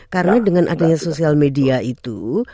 karena dengan adanya sosial media itu